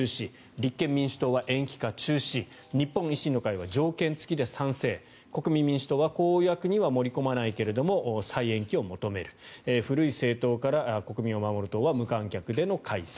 立憲民主党は延期か中止日本維新の会は条件付きで賛成国民民主党は公約には盛り込まないけれども再延期を求める古い政党から国民を守る党は無観客での開催。